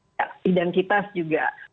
tidak tidak kita juga